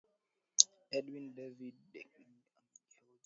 edwin david deketela amewahoji wanahabari john bukuku na rose mweko